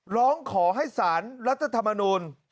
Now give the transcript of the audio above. ร้องขอให้สารรัฐธรรมนูล